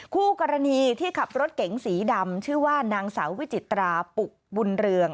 คู่กรณีที่ขับรถเก๋งสีดำชื่อว่านางสาววิจิตราปุกบุญเรือง